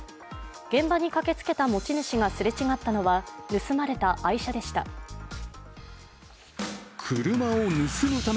現場に駆けつけた持ち主がすれ違ったのは盗まれた愛車でした。